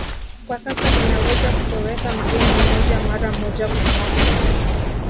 Kwa sasa inaweza kutoweka mgeni mmoja mara moja kwa mwaka